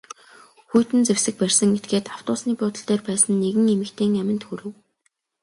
Хүйтэн зэвсэг барьсан этгээд автобусны буудал дээр байсан нэгэн эмэгтэйн аминд хүрэв.